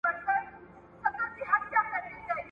وزیر اکبر خان د بریا لپاره سټراتیژیک پلان جوړ کړ.